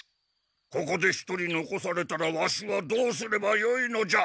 ここで一人のこされたらワシはどうすればよいのじゃ。